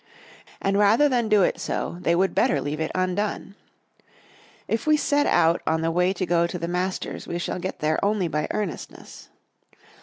And rather than do it so they would better leave it undone. If we set out on the way to go to the masters we shall get there only by earnestness.